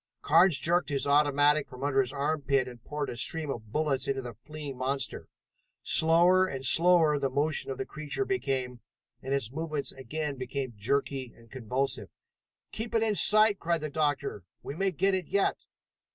Carnes jerked his automatic from under his armpit and poured a stream of bullets into the fleeing monster. Slower and slower the motion of the creature became, and its movements again became jerky and convulsive. "Keep it in sight!" cried the doctor. "We may get it yet!"